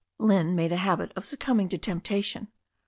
Lynne made a habit of succumbing to tempta tion.